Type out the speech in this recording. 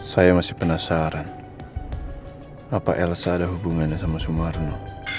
saya masih penasaran apa elsa ada hubungannya sama sumarno